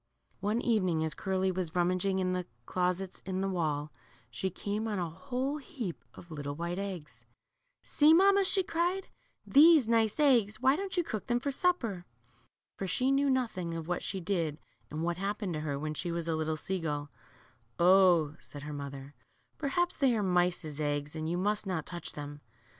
One evening as Curly was rummaging in the closets in the wall, she came on a whole heap of little white eggs. . See, mamma," she cried, ^Hhese nice eggs ; why don't you cook them for supper." For she knew nothing of what she did and what happened to her when she was a little sea gull, 0," said her mother, perhaps they are mice's eggs, and you must not' touch them."